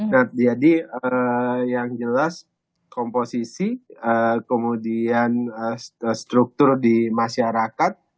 nah jadi yang jelas komposisi kemudian struktur di masyarakat